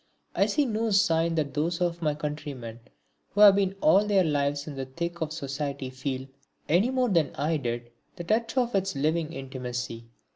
I see no sign that those of my countrymen who have been all their lives in the thick of society feel, any more than I did, the touch of its living intimacy.